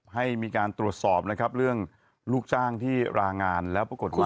ให้มีการตรวจสอบนะครับเรื่องลูกจ้างที่รางานแล้วปรากฏว่า